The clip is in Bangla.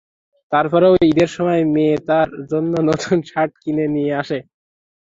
তারপরেও ঈদের সময় মেয়ে তার জন্য নতুন শার্ট কিনে নিয়ে আসে।